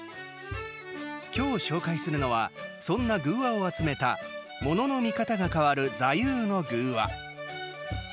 今日、紹介するのはそんな寓話を集めた「ものの見方が変わる座右の寓話」。